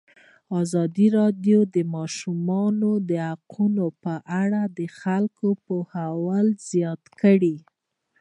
ازادي راډیو د د ماشومانو حقونه په اړه د خلکو پوهاوی زیات کړی.